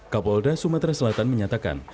kapolda sumatera selatan menyatakan